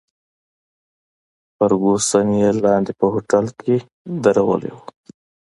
فرګوسن یې لاندې په هوټل کې ودرولې وه.